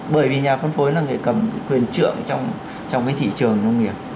bởi vì nhà phân phối là người cầm quyền trượng trong cái thị trường nông nghiệp